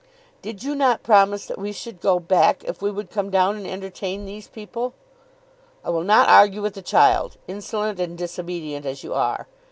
"Did you not promise that we should go back if we would come down and entertain these people?" "I will not argue with a child, insolent and disobedient as you are.